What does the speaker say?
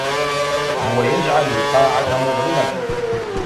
هو يجعل القاعة مظلمة.